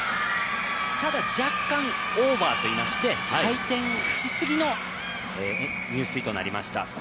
ただ、若干オーバーといいまして回転しすぎの入水となりました。